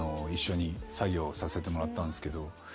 させてもらったんですけど。